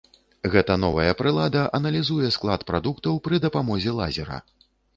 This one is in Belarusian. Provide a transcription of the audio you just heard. Гэта новая прылада аналізуе склад прадуктаў пры дапамозе лазера.